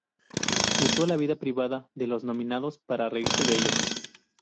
Usó la vida privada de los nominados para reírse de ellos.